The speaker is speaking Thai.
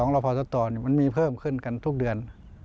รพศตมันมีเพิ่มขึ้นกันทุกเดือน